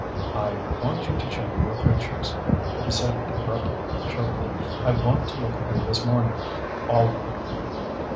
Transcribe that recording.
"I want you to show me your pictures," he said it abruptly, shortly. "I want to look at them this morning; all of them."